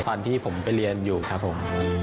ตอนที่ผมไปเรียนอยู่ครับผม